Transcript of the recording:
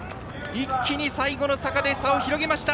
一気に最後の坂で差を広げました。